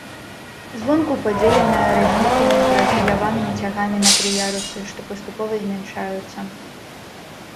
Звонку падзеленая развітымі прафіляванымі цягамі на тры ярусы, што паступова змяншаюцца.